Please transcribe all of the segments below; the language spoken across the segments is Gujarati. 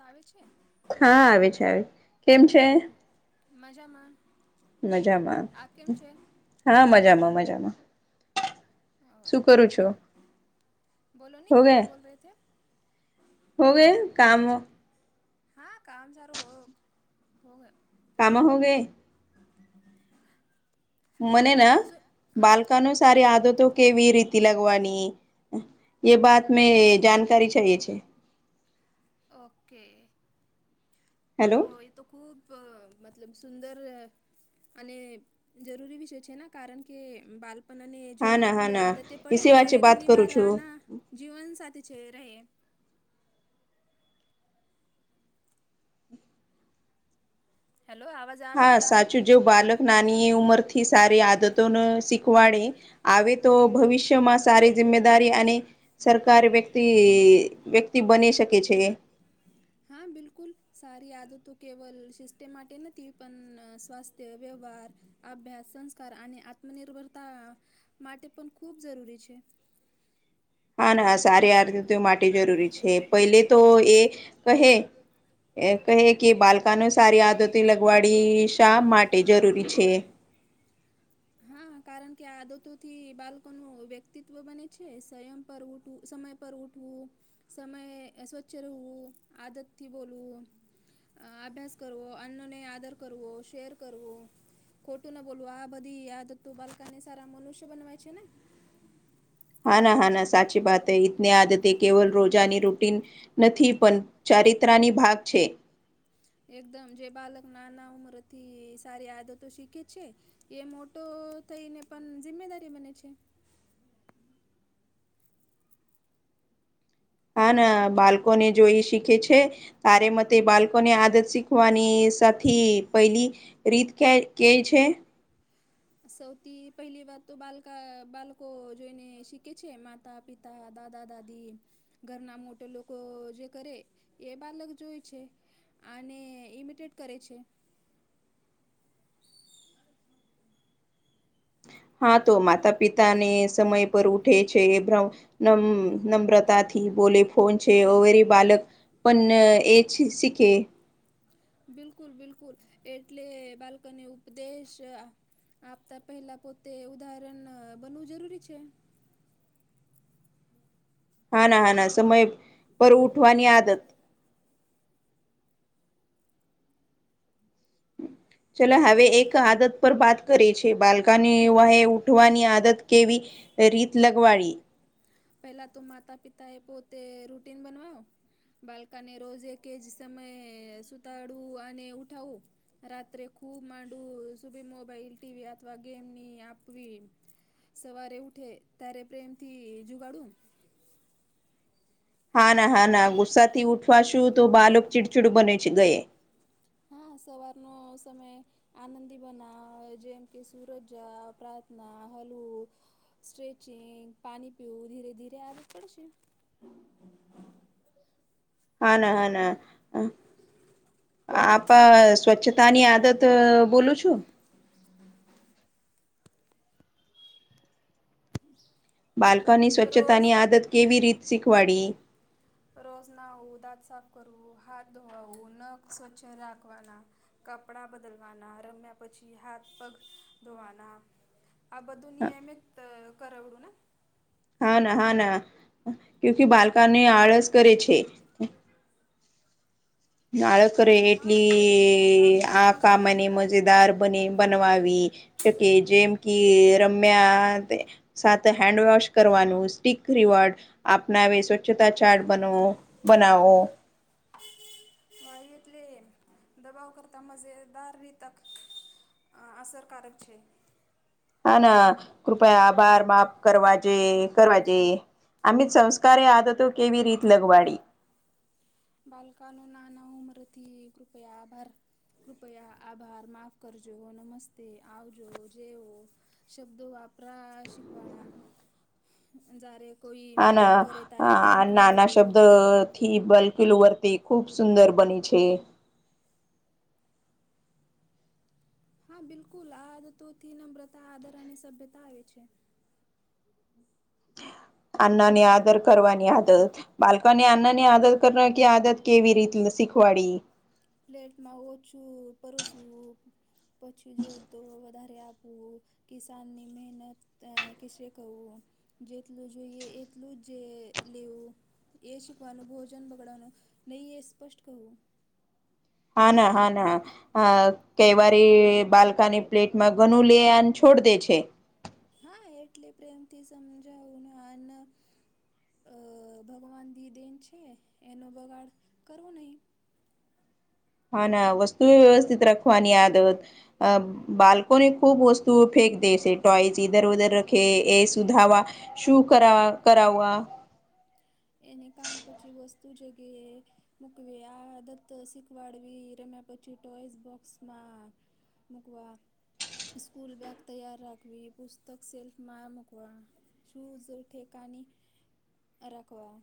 આવે છે. હા આવે છે, આવે કેમ છે મજામાં આ કેમ છે હા મજામાં મજામાં શું કરું છું હોગે હો ગય કામ હા કામ સારું હો હો હ કામ હો ગ મને ના બાલકા ન સારી આદતો કેવી રીતી લગવાની એ બાત મે જાાનકારી ચાએ છે ઓકે તો તો ખૂબ મતલબ સુંદર અને જરૂરી વિષય છે કારણ કે બાલ પણ અને જો જે આદતે પડે એ ઘણી વાર આના જીવન સાથે છે રહે હેલો આવા હા સાચું જો બાલક નાની એ ઉંમર થી સારી આદતોને શીખવાડે આવે તો ભવિષ્યમાં સારી જિમ્દારી અને સરકાર વ્યક્તિ વ્યક્તિ બની શકે છે હા બિલકુલ સારી આદ તો કેવલ શિસ્ટ માટે નથી પણ સ્થ વ્યવહાર અભ્યાસ સંસ્કાર અને આત્મનિર્ભરતા માટે પણ ખૂબ જરૂરી છે હા ના સારી આરતીતી માટે જરૂરી છે પહેલે તો એ કહે એ કહે કે બાલકાનો સારી આદતી લગવાડી શા માટે જરૂરી છે હા કારણ કે આદતોથી બાળકો ન વ્યક્તિત્વ બને છે સ્યં પર ઉઠવું સમય પર ઉઠવું સમય સ્વચ્છ રહેવું આદતથી બોલવું અભ્યાસ કરવો અન્નને આદર કરવો શેર કરવો ખોટું ના બોલવું આ બધી યાદ તું બાલકાને સારા મનુષ્ય બનવાય છે ને હા ના હા ના સાચી વાત હૈ ઇની આદત કેવલ રોજાની રૂટીન નથી પણ ચારિત્રની ભાગ છે એકદમ જે બાલક નાના ઉમર થી સારી આદતો શીખે છે એ મોટો થઈને પણ જિમ્મેદારી બને છે હા ના બાળકો ને જોઈ શીખે છે તારે મતે બાળકોને આદત શીખવાની સાથી પેલી રીત કઇ કે છે સૌથી પહેલી વાત તો બાલકા બાળકો જોઈને શીખે છે મા માતા પિતા દાદા દાદી ઘરના મોટા લોકો જે કરે એ બાળક જોય છે આને ઇમિટેડ કરે છે હા તો માતા પિતા ને સમય પર ઉઠ ઉઢે છે બ્ર નમ્ર નમ્રતા થી બોલે ફોન છે ઓવેરી બાલક પણ એ જ શીખે બિલકુલ બિલકુલ એટલે બાલકને ઉપદેશ આપતા પહેલા પોતે ઉદાહરણ બનવું જરૂરી છે હા ના હા ના સમય પર ઉઠવાની આદત ચલો હવે એક આદત પર બાત કરે છે બાલકાની હુવા એ ઉઠવાની આદત કેવી રીત લગવાડી પેલા તો માતા પિતા એ પોતે રૂટીન બનવાવો બાલકાને રોજે કે જ સમયે સુતાડવું અને ઉઠાવું રાત્રે ખૂબ માંડું સુભી મોબાઈલ ટીવી અથવા ગેમની આપવી સવારે ઉઠે તારે પ્રેમ થી જુગાડું હા ના હા ના ગુસ્સા થી ઉઠવા શું તો બાળક ચીડચીડુ બને છે ગય હા સવારનો સમય આનંદી બનાવ જેમ કે સુરજ પ્રાર્થના હલવું સ્ટ્રેચિંગ પાણી પીવું ધીરે ધીરે આદત પડશે હા ના હા ના આપ સ્વચ્છતાની આદત બોલું છું બાળકોની સ્વચ્છતાની આદત કેવી રીત શીખવાડી રોજ નાહવું દાંત સાફ કરવું હાથ ધોવાું નખ સ્વચ્છ રાખવાના કપડા બદલવાના રમ્યા પછી હાથ પગ ધોવાના આ બધું નિયમિત કરવડું ને હા ના હા ના કુય કે બાલકા ને આળસ કરે છે નાળકે એટલી આ કામને મજેદાર બને એ બનવાવી શકે જેમ કી રમ્યા સાથે હેન્ડવોશ કરવાનું સ્ટક રવાોર્ડ આપનાવે સ્વચ્છતા ચાર બ બનાવો વાળતલે દબાવ કરતા મજેદાર રીતક અ અસરકારક છે. હા ના કૃપયા આભાર માપ કરવાજે કરવાજે અમ સંસ્કારે આદતો કેવી રીત લગવાડી બાલકાનો નાના ઉંમરથી કૃપયા આભાર કૃપયા આભાર માફ કરજો નમસ્તે આવજો જેવ શબ્દ વાપરા શિકવાના જ્યારે હા ના નાના શબ્દ થી બલ્કલ વરતી ખુબ સુંદર બની છે હા બિલકુલ આ આદતોથી નમ્રતા આદારની સભ્યતા આવે છે આના ની આદર કરવાની આદત બાળકોને આના ની આદત કર કે આદત કેવી રીત શીખવાડી પ્લેટમાં ઓછું પરસું પછી જોઈ તો વધારે આપ વ કિસાનની મહેનત કશે કરવું જેટલું જોઈએ એટલું જ લેવું એ શીખવાનું ભોજન બગડવાનું નહી એ સ્પષ્ટ કહવું હા ના હા ના હ કવારી બાલ્કાની પ્લેટમાં વનુ લ ન છોડ દે છે હા એટલે પ્રેમથી સમજાવું અ ભગવાન દ દેન છે એનો બગાડ કરવો નહીં. હા ના વસ્તુ વ્યવસ્થિત રખવાની યાદ હોત બાળકોની ખુબ વસ્તુ સુ ફેંક દ છે ટોયચ ધર ઉધર કે એ સુધારવા શું કર કરાવવા એને કામ પછી વસ્તુ જગ્યા એ મુકવી આ દત્ત શીખવાડવી રમ્યા પછી ટોયસ બોક્સમાં મુકવા સ્કૂલ બેગ તૈયાર રાખવી પુસ્તક સેલ્ફ માં મુૂકવા. શૂઝ ઠિકાણી રાખવા.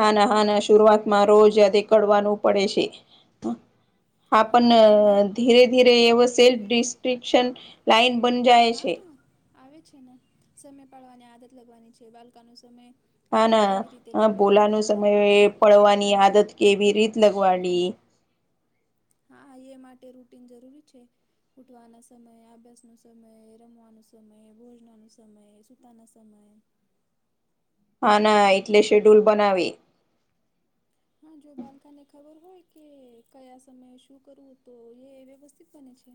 હા ના હા ના શરઆત. માં રોજ કરવાનું પડે છે હા પણ ધીરે ધીરે એવો સેલ્ફ ડિસ્ટ્રિકશન લાાઈન બન જાય છે. આવે છે ને સમય પાડવાની આદત લગવાની છે બાલકા ન સમય હા ના હ બોલાનું સમય પડવાની આદત કેવી રીત લગવાડી હા એ માટે રૂટીન જરૂરી છે. ફૂટવાના સમય અભ્યાસનો સમય રમવાનો સમય ભોજનનો સમય સૂતાના સમય. હા ના એટલે શેડ્યુલ બનાવે. હા જો બાલકાને ખબર હોય. કે કયા સમયે શું કરવું તો એ વ્યવસ્થિત બને છે.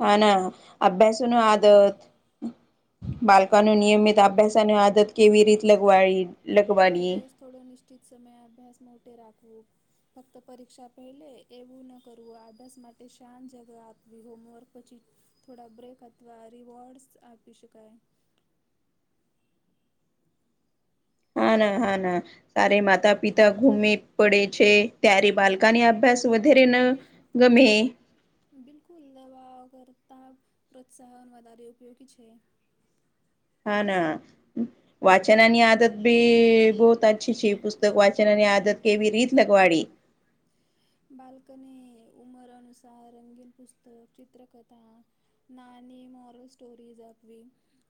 હા ના અભ્યાસ ન આદત બાલ ન નિયમિત અભ્યાસ અને આદત કેવી રીતે લગવાળી. રોજ થોડો નિશ્ચિત સમયે અભ્યાસ મોટે રાખવો ફક્ત પરીક્ષા પહેલે એવું ન કરવું આડસ માટે શાન જગા આપવી હોમવર્ક પછી થોડા બ્રેક અથવા રીિવોર્ડ્સ આપી શકાય. હા ના હા ના સારે માતા પિતા ગુમે પડે છે ત્યારે બાલકાની અભ્યાસ વધેરે ન ગમે બિલકુલ દવા કરર્તા પ્રોત્સાહન વધદારી ઉપયોગી છે. હા ના વાચનની આદત બી બહુત અચછી છે પુસ્ત વાચનની આદત કેવી રીત લગવાડી? બાલ્કને ઉમરનુસાર રંગીન પુસ્તક ચિત્રકથા નાની મોરલ સ્ટોરીઝ આપવી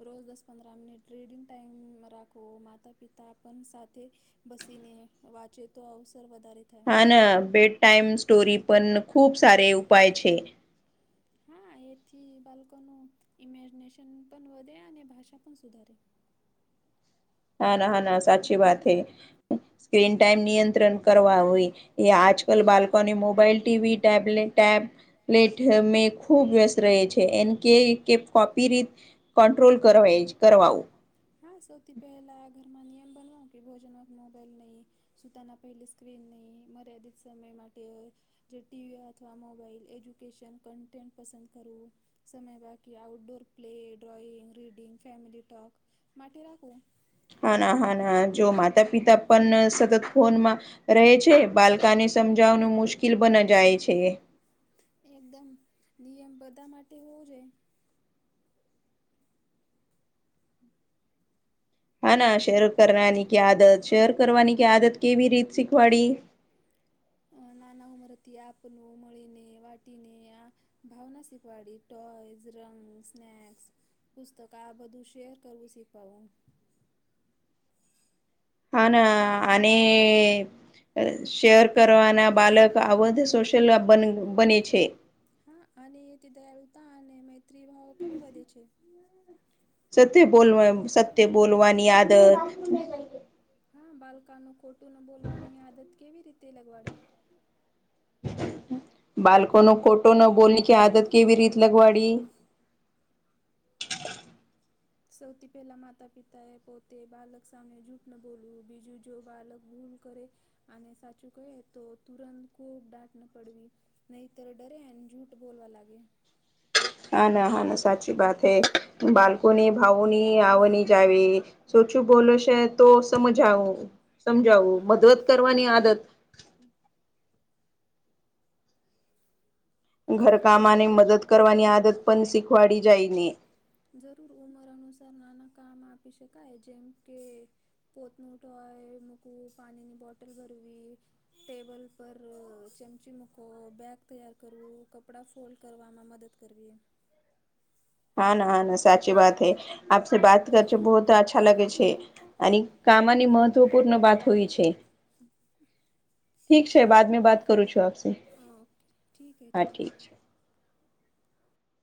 રોજ દસ પંદર મિનિટ ર્રેડિંગ ટાઈમ રાખવો માતા પિતા પણ સાથે બસીને વાંચે તો અવસર વધારે થાય. બેડ ટાઈમ સ્ટોરી પણ ખૂબ સાર ઉપાય છે હા એથી બાલકોનું ઇમેજિનેશન પણ વધે અને ભાષા પણ સુધારે હા ના ના સાચી વાત હ સ્ક્રીન ટાઈમ નિયંત્રણ કરવા હોય એ આજ કલ બાલકોોની મોબાઈઇલ ટીવી ટટેબલે ટટેબ પલેટ ખૂબ વ્યસ્ત રહે છે એ કે કે કોપી રીત કંટ્રોલ કરવા કરવાઉ હા સૌથી પહેલા આ ઘરમાં નિયમ બનવો કે ભોજન મોબાઈલ નહીં. સુતાના પહેલી સ્ક્રીન નહી મર્યાદિત સમય માટે જે ટીવી અથવા મોબાઈલ એજ્યુકેશન કન્ટેન્ટ પસંદ કરવું સમય બાકી outdoor play drawing reading family talk માટે રાખું. હા ના હા ના જો માતા પિતા પણ સતત ફોનમાં રહે છે બાલકાને સમજાવવાનું મુશ્કેલ બન જાય છે એકદમ નિયમ બધા માટે હોવો જોઈએ હા ના શેર કરવાની કે આદત શેર કરવાની કે આદત કેવી રીત શીખવાડી નાના ઉંમરથી આપનું મળીને વાટીને આ ભાવના શીખવાડી ટોયઝ રંગ સ્નક્સ પુસ્તક આ બધું શેર કરવું શીખવાવું હા ના આને શેર કરવાના બાલક આવધો ચલ્ આ બન બને છે હા અને એથી દયાળુતા અને મૈત્રી ભાવ પણ બધે છે સત્ય બોલવા સત્ય બોલવાની આદત હા બાલકા ન ખોટું ન બોલવાની આદત કેવી રીતે લગવાડી બાળકો નો ખોટો ન બોલની કે આદત કેવી રીત લગવાડી સૌથી પહેલા માતા પિતા એ પોતે બાલક સામે જૂઠ ન બોલવું બીજું જો બાલક ભૂલ કરે અને સાચું કહી તો તુરંત ખુબ દાટ ન પડવી નહી તો ડરે એ ૂઠ બોલવા લાગે હા ના હા ના સાચી વાત હૈ બાળકોની ભાવો ની આવની જ આવી સોચું બોલો છે તો સમજાવું સમજાવું મદદ કરવાની આદત ઘરકામાને મદદ કરવાની આદત પણ શીખવાડી જાય ને જરૂર ઉંમર અનુસાર નાના કામ આપી શકાય જેમ કે પોતમું ટોય મૂકવું પાણીની બોટલ ભરવી ટેબલ પર ચમચી મૂકો બેગ તૈયાર કરવું કપડા ફોલ્ડ કરવામાં મદદ કરવી હા ના હ ના સાચી વાત હૈ આપે બાત કરચ બહુત અચ્છા લગે છે અને કામાની મહત્વપૂર્ણ બાત હોય છે ઠીક છે બાદમાં બાત કરું છું આપશે